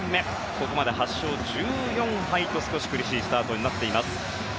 ここまで８勝１４敗と少し苦しいスタートになっています。